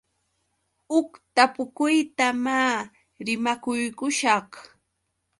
Huk tapukuyta maa rimakurqushaq.